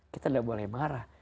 kita gak boleh marah